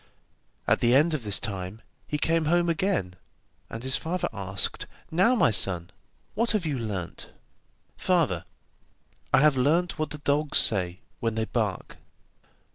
At the end of this time, he came home again, and his father asked: 'Now, my son, what have you learnt?' 'Father, I have learnt what the dogs say when they bark.